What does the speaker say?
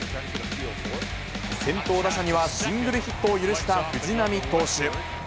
先頭打者にはシングルヒットを許した藤浪投手。